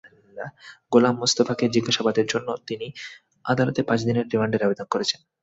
গোলাম মোস্তফাকে জিজ্ঞাসাবাদের জন্য তিনি আদালতে পাঁচ দিনের রিমান্ডের আবেদন করেছেন।